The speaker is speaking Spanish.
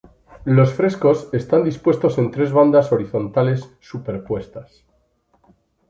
Los frescos están dispuestos en tres bandas horizontales superpuestas.